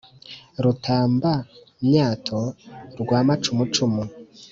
Rutambamyato rwa macumu cumu